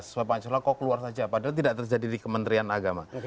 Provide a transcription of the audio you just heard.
sebaiknya pak haryono kok keluar saja padahal tidak terjadi di kementerian agama